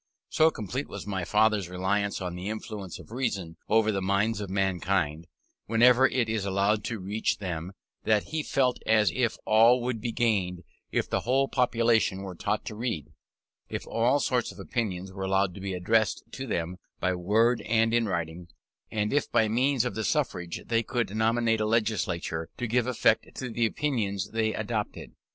So complete was my father's reliance on the influence of reason over the minds of mankind, whenever it is allowed to reach them, that he felt as if all would be gained if the whole population were taught to read, if all sorts of opinions were allowed to be addressed to them by word and in writing, and if by means of the suffrage they could nominate a legislature to give effect to the opinions they adopted.